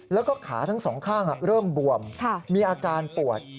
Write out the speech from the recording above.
แล้วก็ขาทั้งสองข้างเริ่มบวมมีอาการปวด